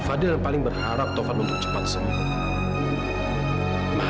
fadil yang paling berharap taufan untuk cepat sembuh